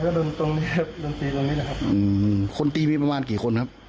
ก็โดนตรงนี้ครับโดนตีตรงนี้แหละครับอืมคนตีมีประมาณกี่คนครับ